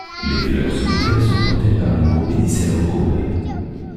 Les fleurs solitaires sont portées par un gros pédicelle recourbé.